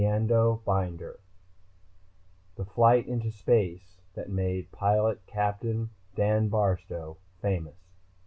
Eando Binder_ The flight into space that made Pilot Capt. Dan Barstow famous.